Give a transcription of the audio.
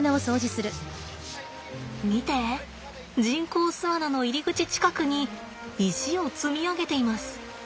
見て人工巣穴の入り口近くに石を積み上げています。